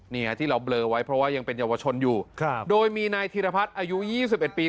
ที่เราเบลอไว้เพราะว่ายังเป็นเยาวชนอยู่ครับโดยมีนายธีรพัฒน์อายุ๒๑ปี